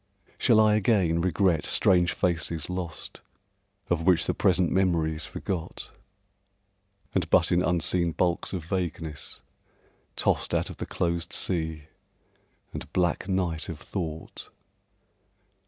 Shall I again regret strange faces lost Of which the present memory is forgot And but in unseen bulks of vagueness tossed Out of the closed sea and black night of Thought?